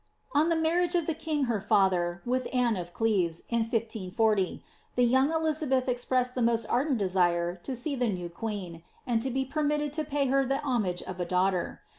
On the marriage of the king, her &ther, with Anne of Cleves, in 1540, the young Elizabeth expressed the most ardent desire to see the new queen, and to be permitted to pay her the homage of a daughter.